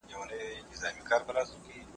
زه اجازه لرم چي سیر وکړم!